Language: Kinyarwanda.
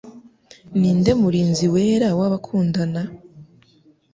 Ninde Murinzi Wera Wabakundana?